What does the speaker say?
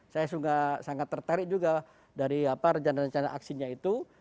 saya sangat terterik juga dari apa rencana rencana aksinya itu